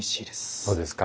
そうですか。